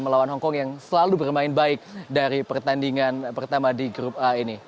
melawan hongkong yang selalu bermain baik dari pertandingan pertama di grup a ini